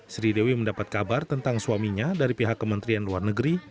sri dewi mendapat kabar tentang suaminya dari pihak kementerian luar negeri